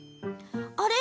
あれ？